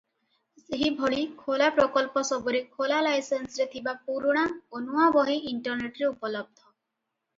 ସେହିଭଳି ଖୋଲା ପ୍ରକଳ୍ପସବୁରେ ଖୋଲା-ଲାଇସେନ୍ସରେ ଥିବା ପୁରୁଣା ଓ ନୂଆ ବହି ଇଣ୍ଟରନେଟରେ ଉପଲବ୍ଧ ।